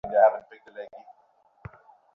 সবাই তো লিনেটকে ভালোবাসত!